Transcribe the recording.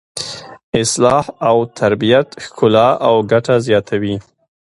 اصلاح او ترتیب ښکلا او ګټه زیاتوي.